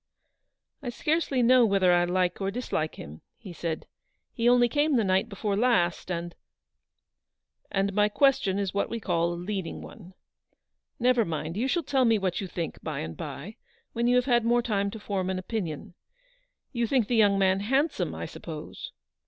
"I scarcely know whether I like or dislike him," she said; "he only came the night before last, and —"" And my question is what we call a leading one. Never mind, you shall tell me what you think by and by, when you have had more time to form an opinion. You think the young man handsome, I suppose